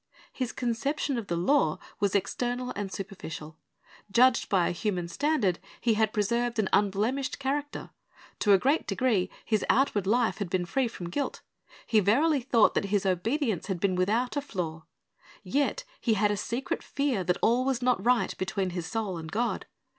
His conception of the law was external and superficial. Judged by a human standard, he had preserved an unblem ished character. To a great degree his outward life had been free from guilt; he verily thought that his obedience had been without a flaw. Yet he had a secret fear that all was not right between his soul and God.